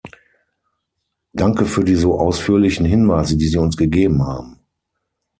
Danke für die so ausführlichen Hinweise, die Sie uns gegeben haben.